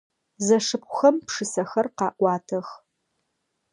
Зэшыпхъухэм пшысэхэр къаӏуатэх.